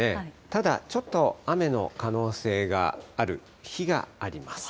ただ、ちょっと雨の可能性がある日があります。